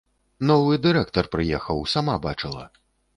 Новы дырэктар прыехаў, сама бачыла.